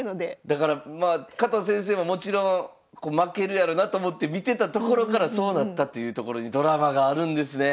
だからまあ加藤先生ももちろん負けるやろなと思って見てたところからそうなったっていうところにドラマがあるんですね。